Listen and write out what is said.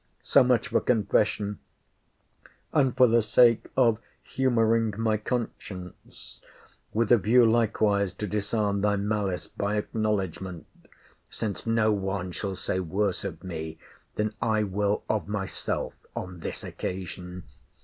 So much for confession; and for the sake of humouring my conscience; with a view likewise to disarm thy malice by acknowledgement: since no one shall say worse of me, than I will of myself on this occasion.